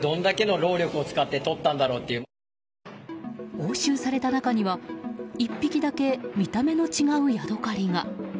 押収された中には１匹だけ見た目の違うヤドカリが。